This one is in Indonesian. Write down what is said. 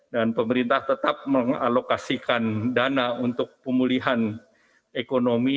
dan pemerintah tetap mengalokasikan dana untuk pemulihan ekonomi